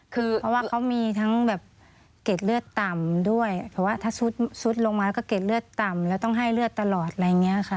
คือเพราะว่าเขามีทั้งแบบเกร็ดเลือดต่ำด้วยเพราะว่าถ้าซุดลงมาแล้วก็เกร็ดเลือดต่ำแล้วต้องให้เลือดตลอดอะไรอย่างนี้ค่ะ